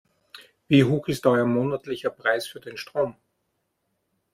Wie hoch ist euer monatlicher Preis für den Strom?